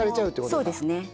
そうですね。